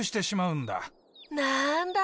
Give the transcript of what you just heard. なんだ。